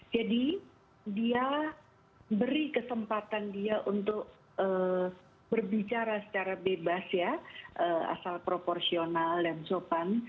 jadi dia beri kesempatan dia untuk berbicara secara bebas ya asal proporsional dan sopan